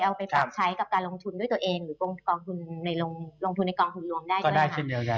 เอาไปปรับใช้กับการลงทุนด้วยตัวเองหรือกองทุนลงทุนในกองทุนรวมได้ก็ได้